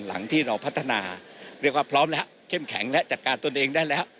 หลังที่เราพัฒนาเรียกว่าพร้อมแล้วเข้มแข็งและจัดการตนเองได้แล้ว